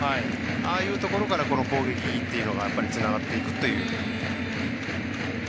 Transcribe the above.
ああいうところから攻撃がつながっていくという。